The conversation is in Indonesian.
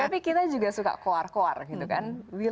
tapi kita juga suka koar koar gitu kan